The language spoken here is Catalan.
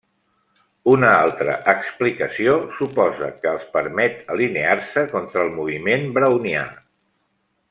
Una altra explicació suposa que els permet alinear-se contra el moviment brownià.